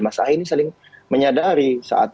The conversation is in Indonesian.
mas ahy ini saling menyadari saat